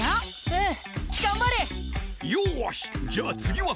うん。